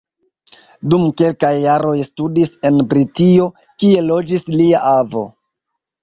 Dum kelkaj jaroj studis en Britio, kie loĝis lia avo.